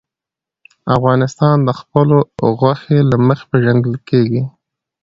افغانستان د خپلو غوښې له مخې پېژندل کېږي.